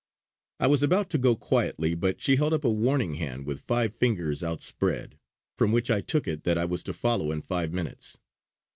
I was about to go quietly, but she held up a warning hand with five fingers outspread; from which I took it that I was to follow in five minutes.